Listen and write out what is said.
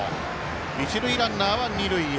一塁ランナーは二塁へ。